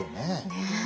ねえ。